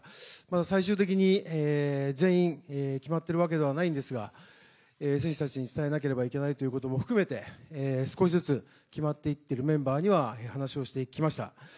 最終的に全員決まっているわけではないのですが、選手たちに伝えなければいけないということも含めて少しずつ決まっていっているメンバーには話をしてきました。